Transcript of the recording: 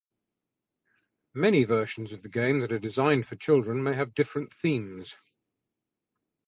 Many versions of the game that are designed for children may have different themes.